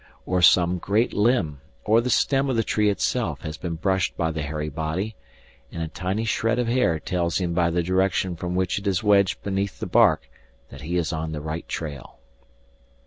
Or some great limb, or the stem of the tree itself has been brushed by the hairy body, and a tiny shred of hair tells him by the direction from which it is wedged beneath the bark that he is on the right trail.